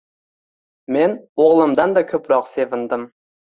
Men oʻgʻlimdanda koʻproq sevindim